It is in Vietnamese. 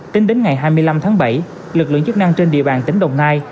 tính đến ngày hai mươi năm tháng bảy lực lượng chức năng trên địa bàn tỉnh đồng nai